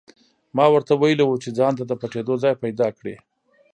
ما ورته ویلي وو چې ځانته د پټېدو ځای پیدا کړي